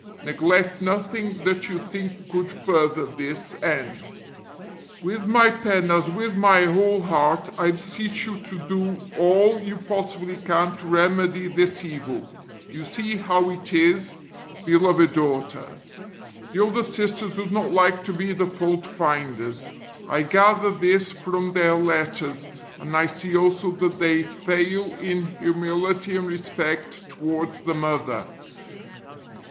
Neglect nothing that you think could further this end. With my pen as with my whole heart I beseech you to do all you possibly can to remedy this evil. You see how it is, beloved daughter; the older Sisters do not like to be the fault finders. I gather this from their letters, and I see also that they fail in humility and respect towards the Mother.